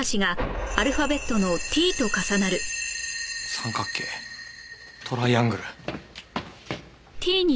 三角形トライアングル。